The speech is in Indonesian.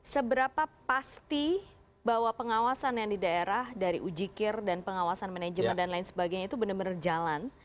seberapa pasti bahwa pengawasan yang di daerah dari ujikir dan pengawasan manajemen dan lain sebagainya itu benar benar jalan